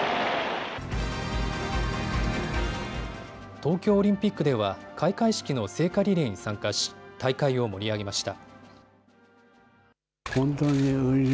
東京オリンピックでは開会式の聖火リレーに参加し大会を盛り上げました。